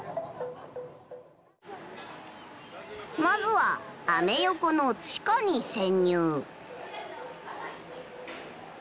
まずはアメ横の地下に潜入。